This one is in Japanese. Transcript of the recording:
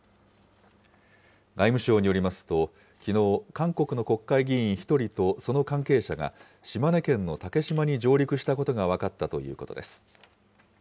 外務省によりますと、きのう、韓国の国会議員１人とその関係者が、島根県の竹島に上陸したことが分かったということです。